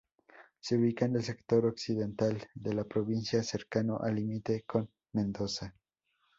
Se ubica en el sector occidental de la provincia cercano al límite con Mendoza.